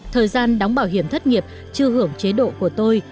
thời gian đóng bảo hiểm thất nghiệp chưa hưởng chế độ của tôi